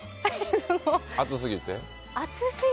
熱すぎて？